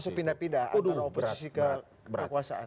termasuk pindah pindah antara oposisi ke kekuasaan